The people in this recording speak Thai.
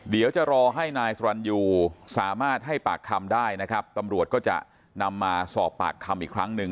เดี๋ยวจะรอให้นายสรรยูสามารถให้ปากคำได้นะครับตำรวจก็จะนำมาสอบปากคำอีกครั้งหนึ่ง